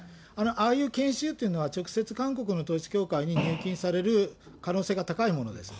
ああいう研修っていうのは、直接韓国の統一教会に入金される可能性が高いものです。